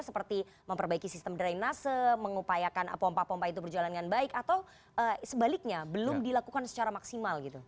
seperti memperbaiki sistem drainase mengupayakan pompa pompa itu berjalan dengan baik atau sebaliknya belum dilakukan secara maksimal gitu